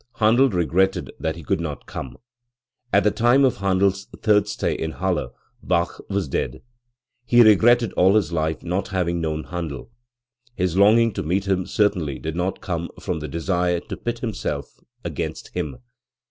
Handel regretted that he could not come. At the time of Handel's third stay in Halle, Bach was dead. He regretted all his life not having known Handel. His longing to meet him certainly did not come from the desire to pit himself against him.